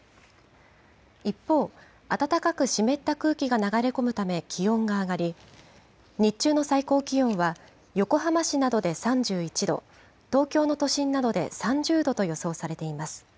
一方、暖かく湿った空気が流れ込むため気温が上がり、日中の最高気温は横浜市などで３１度、東京の都心などで３０度と予想されています。